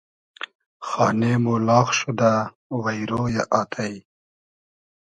خانې مۉ لاغ شودۂ وݷرۉ یۂ آتݷ